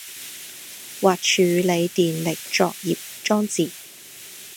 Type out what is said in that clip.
或處理電力作業裝置